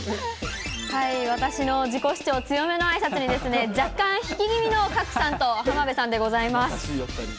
私の自己主張強めのあいさつに、若干引き気味の賀来さんと浜辺さんでございます。